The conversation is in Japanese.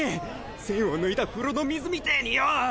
栓を抜いた風呂の水みてぇによ！